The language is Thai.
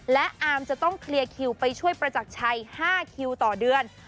และอามจะต้องเคลียร์คิวไปช่วยประจักรชัย๕คิวต่อเดือน